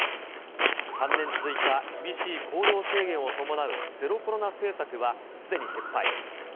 ３年続いた厳しい行動制限を伴うゼロコロナ政策はすでに撤廃。